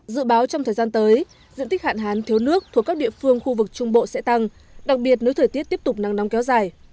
dự báo trong thời gian tới diện tích hạn hán thiếu nước thuộc các địa phương khu vực trung bộ sẽ tăng đặc biệt nếu thời tiết tiếp tục nắng nóng kéo dài